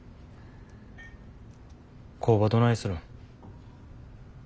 工場どないするん。